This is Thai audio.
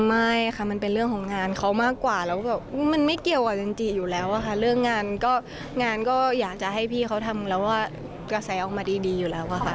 ไม่ค่ะมันเป็นเรื่องของงานเขามากกว่าแล้วแบบมันไม่เกี่ยวกับจันจิอยู่แล้วอะค่ะเรื่องงานก็งานก็อยากจะให้พี่เขาทำแล้วว่ากระแสออกมาดีอยู่แล้วอะค่ะ